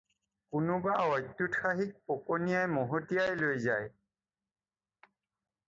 কোনোবা অত্যুৎসাহীক পকনীয়াই মহতিয়াই লৈ যায়।